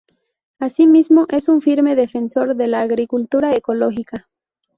Asimismo, es un firme defensor de la agricultura ecológica.